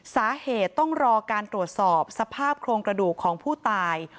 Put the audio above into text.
สาเหตุต้องรอการตรวจสอบสภาพโครงกระดูกของผู้ตาย